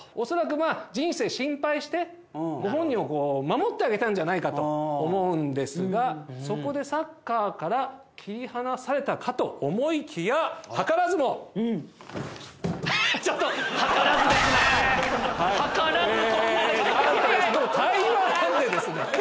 恐らくまあ、人生心配して、ご本人を守ってあげたんじゃないかと思うんですが、そこでサッカーから切り離されたかと思いきや、ちょっと、台湾でですね。